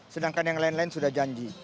sedangkan yang lain lain sudah janji